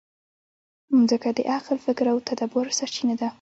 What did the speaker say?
مځکه د عقل، فکر او تدبر سرچینه ده.